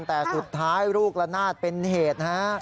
แต่สุดท้ายลูกละนาดเป็นเหตุฮะ